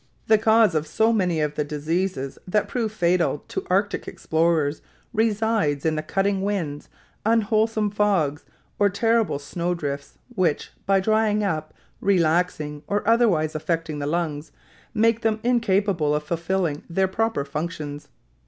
The cause of so many of the diseases that prove fatal to Arctic explorers resides in the cutting winds, unwholesome fogs, or terrible snow drifts, which, by drying up, relaxing, or otherwise affecting the lungs, make them incapable of fulfilling their proper functions.